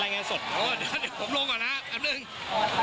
รายงานสดอ๋อเดี๋ยวผมลงก่อนนะครับหนึ่งครับ